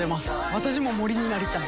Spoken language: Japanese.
私も森になりたい。